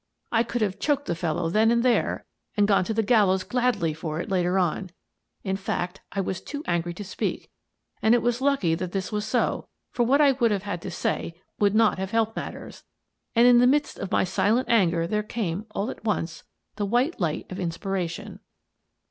I could have choked the fellow then and there and gone to the gallows gladly for it later on. In fact, I was too angry to speak, and it was lucky that this was so, for what I would have had to say would not have helped matters, and in the midst of my silent anger there came, all at once, the white light of inspiration.